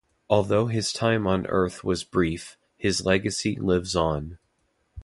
Although his time on Earth was brief, his legacy lives on.